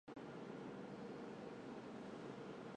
教会主办阿利根尼山脉以西的第一个童子军部队。